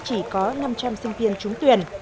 chỉ có năm trăm linh sinh viên trúng tuyển